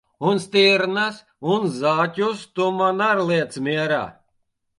Un stirnas un zaķus tu man ar liec mierā!